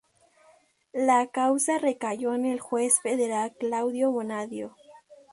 La causa recayó en el juez federal Claudio Bonadio.